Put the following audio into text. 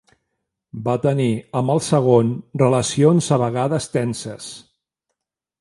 Va tenir amb el segon relacions a vegades tenses.